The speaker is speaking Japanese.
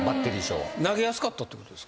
投げやすかったってことですか？